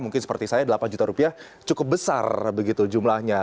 mungkin seperti saya delapan juta rupiah cukup besar begitu jumlahnya